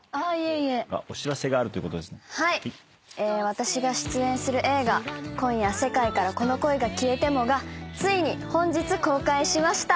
私が出演する映画『今夜、世界からこの恋が消えても』がついに本日公開しました。